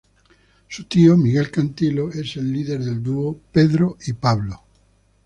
Su tío, Miguel Cantilo, es el líder del dúo Pedro y Pablo.